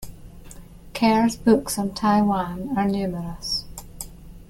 Kerr's books on Taiwan are numerous.